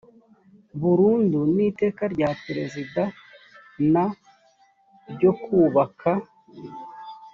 burundu n iteka rya perezida n ryo kubaka